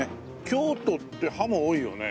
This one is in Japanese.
京都ってハモ多いよね。